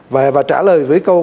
và trả lời với câu